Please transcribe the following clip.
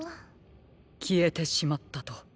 きえてしまったと。